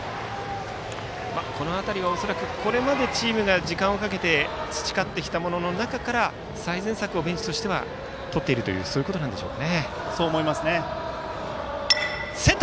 この辺りはこれまでチームが時間をかけて培ってきたものの中から最善策をベンチとしてはとっているということでしょうか。